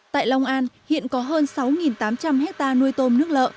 tại long an hiện có hơn sáu tám trăm linh hectare nuôi tôm nước lợ